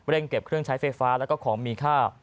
เร่งเก็บเครื่องใช้ไฟชาและของมีคา